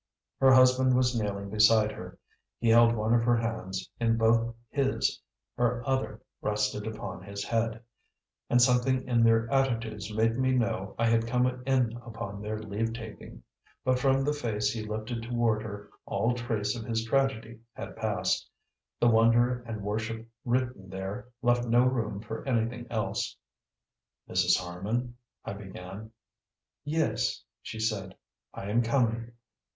Her husband was kneeling beside her; he held one of her hands in both his, her other rested upon his head; and something in their attitudes made me know I had come in upon their leave taking. But from the face he lifted toward her all trace of his tragedy had passed: the wonder and worship written there left no room for anything else. "Mrs. Harman " I began. "Yes?" she said. "I am coming."